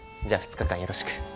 じゃあ２日間よろしく。